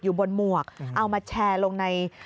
บนหมวกเอามาแชร์ลงใน